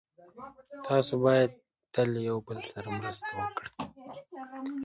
تاسو باید تل یو بل سره مرسته وکړئ.